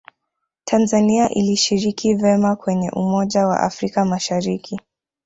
tanzania ilishiriki vema kwenye umoja wa afrika mashariki